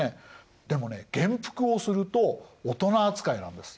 でもね元服をすると大人扱いなんです。